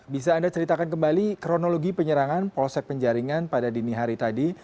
bisa anda ceritakan kembali kronologi penyerangan polsek penjaringan pada dini hari tadi